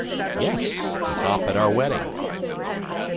"Yes, to hop at our wedding."